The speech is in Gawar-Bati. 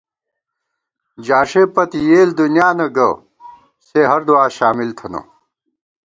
جاݭےپت یېل دُنیانہ گہ سےہر دُعا شامل تھنہ